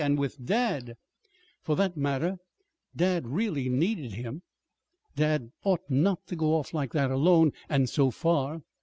And with dad ! For that matter, dad really needed him. Dad ought not to go off like that alone, and so far.